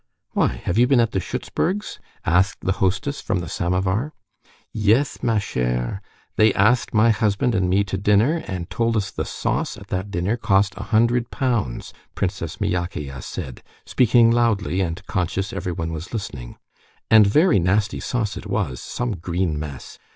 "Why, have you been at the Schützburgs?" asked the hostess from the samovar. "Yes, ma chère. They asked my husband and me to dinner, and told us the sauce at that dinner cost a hundred pounds," Princess Myakaya said, speaking loudly, and conscious everyone was listening; "and very nasty sauce it was, some green mess.